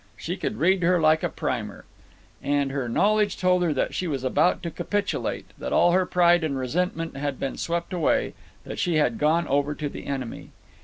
She could read her like a primer. And her knowledge told her that she was about to capitulate, that all her pride and resentment had been swept away, that she had gone over to the enemy.